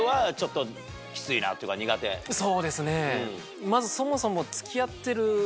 そうですねまず。